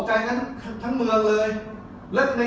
ทำอย่างนี้ไม่ได้